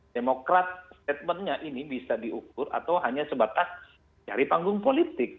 demokrat statementnya ini bisa diukur atau hanya sebatas cari panggung politik